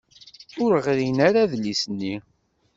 Ur ɣrin ara adlis-nni.